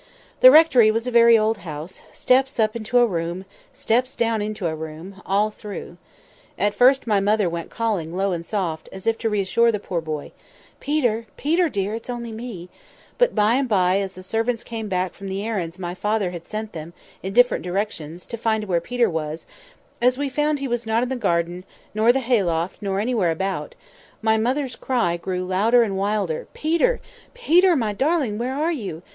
The rectory was a very old house—steps up into a room, steps down into a room, all through. At first, my mother went calling low and soft, as if to reassure the poor boy, 'Peter! Peter, dear! it's only me;' but, by and by, as the servants came back from the errands my father had sent them, in different directions, to find where Peter was—as we found he was not in the garden, nor the hayloft, nor anywhere about—my mother's cry grew louder and wilder, 'Peter! Peter, my darling! where are you?